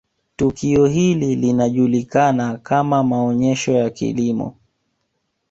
tukio hili linajulikana kama maonesho ya Kilimo